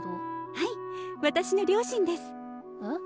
はい私の両親です。え？